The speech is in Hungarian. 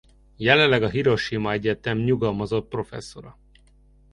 Jelenleg a Hiroshima Egyetem nyugalmazott professzora.